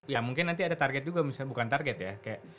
ya mungkin nanti ada target juga bukan target ya